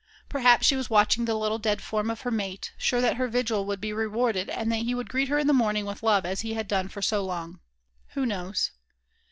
Perhaps she was watching the little dead form of her mate, sure that her vigil would be rewarded and that he would greet her in the morning with love as he had done for so long. Who knows?